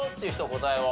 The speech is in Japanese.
答えを。